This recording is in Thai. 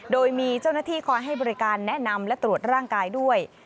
โดยมีเจ้าหน้าที่คอยให้บริการแนะนำและตรวจร่างกายด้วย